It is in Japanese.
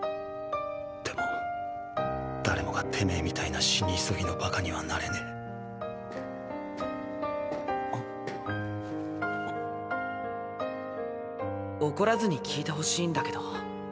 でも誰もがてめぇみたいな死に急ぎのバカにはなれねぇ怒らずに聞いてほしいんだけど。